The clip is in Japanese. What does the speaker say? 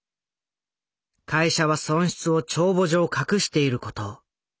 会社は損失を帳簿上隠していること。